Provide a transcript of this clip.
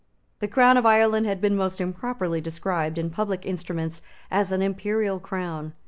The Crown of Ireland had been most improperly described in public instruments as an imperial Crown.